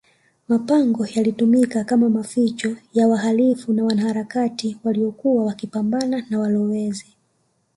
mapango yalitumika kama maficho ya wahalifu na wanaharakati waliyokuwa wakipambana na walowezi